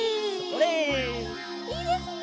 いいですね！